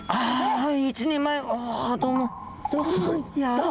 はい。